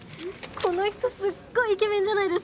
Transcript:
この人すっごいイケメンじゃないですか？